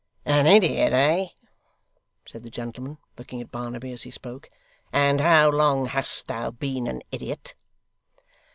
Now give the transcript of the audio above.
'An idiot, eh?' said the gentleman, looking at Barnaby as he spoke. 'And how long hast thou been an idiot?